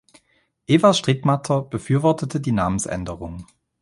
Eva Strittmatter befürwortete die Namensänderung.